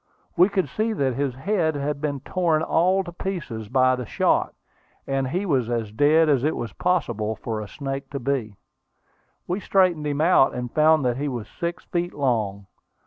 We could see that his head had been torn all to pieces by the shot, and he was as dead as it was possible for a snake to be. We straightened him out, and found that he was six feet long.